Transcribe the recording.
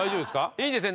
いいですね？